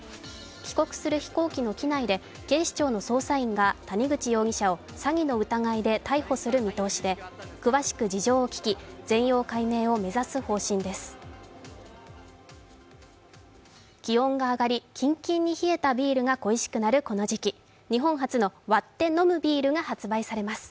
帰国する飛行機の機内で警視庁の捜査員が谷口容疑者を詐欺の疑いで逮捕する見通しで詳しく事情を聞き、全容解明を目指す考えです。